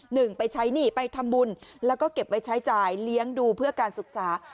หนึ่งไปใช้หนี้ไปทำบุญแล้วก็เก็บไว้ใช้จ่ายเลี้ยงดูเพื่อการศึกษา